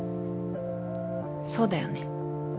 そうだよね。